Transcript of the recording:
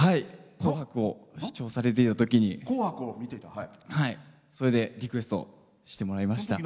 「紅白」を視聴されてるときにそれでリクエストしてもらいました。